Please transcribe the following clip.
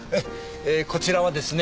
えこちらはですね